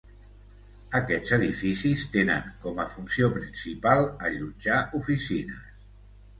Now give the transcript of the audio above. Aquests edificis tenen com a funció principal allotjar oficines.